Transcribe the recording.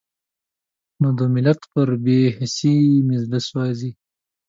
نو د ملت پر بې حسۍ مې زړه سوزي.